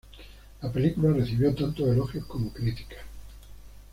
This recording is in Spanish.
La película recibió tanto elogios como crítica.